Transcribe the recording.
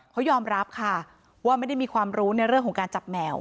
เขายอมรับค่ะว่าไม่ได้มีความรู้ในเรื่องของการจับแมว